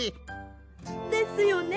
ですよね？